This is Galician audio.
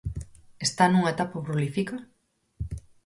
Está nunha etapa prolífica?